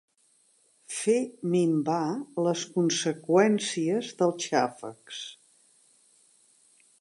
Fer minvar les conseqüències dels xàfecs.